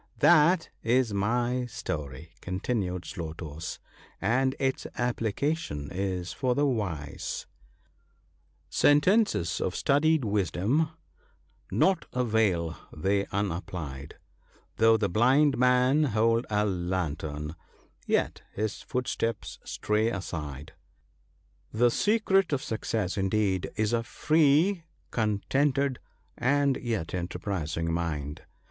That is my story,' continued Slow toes, ' and its application is for the wise :— 46 THE BOOK OF GOOD COUNSELS. " Sentences of studied wisdom, nought avail they unapplied ; Though the blind man hold a lantern, yet his footsteps stray aside. " The secret of success, indeed, is a free, contented, and yet enterprising mind.